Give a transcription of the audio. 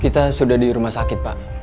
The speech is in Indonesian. kita sudah di rumah sakit pak